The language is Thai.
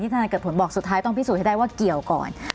แต่สุดท้ายต้องพิสูจน์ให้ได้ว่าเกี่ยวก่อน